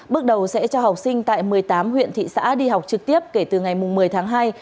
bước đầu sẽ cho học sinh tại một mươi tám huyện thị xã đi học trực tiếp kể từ ngày một mươi tháng hai